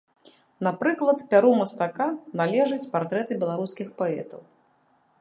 Напрыклад, пяру мастака належаць партрэты беларускіх паэтаў.